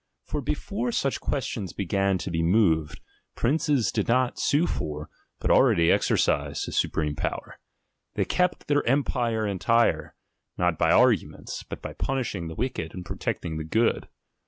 For before such questions began to be moved, princes did not sue for, but already exercised the supreme power. They kept their empire entire, not by arguments, but by punishing the wicked and protecting the good.